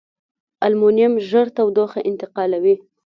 المونیم ژر تودوخه انتقالوي.